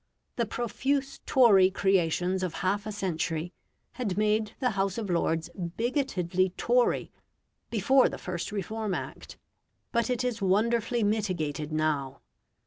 The profuse Tory creations of half a century had made the House of Lords bigotedly Tory before the first Reform Act, but it is wonderfully mitigated now.